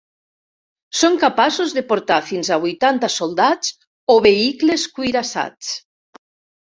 Són capaços de portar fins a vuitanta soldats o vehicles cuirassats.